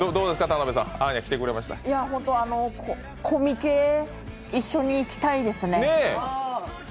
コミケ一緒に行きたいですね。